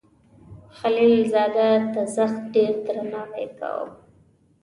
خلیل زاده ته زښت ډیر درناوی کاو.